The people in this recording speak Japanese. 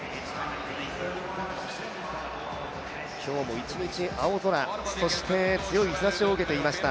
今日も一日青空、そして強い日ざしを受けていました。